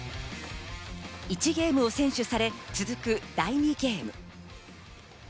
１ゲームを先取され、続く第２ゲーム。